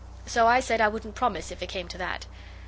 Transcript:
So I said I wouldn't promise if it came to that.